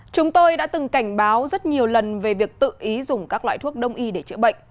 chúng tôi đã từng cảnh báo rất nhiều lần về việc tự ý dùng các loại thuốc đông y để chữa bệnh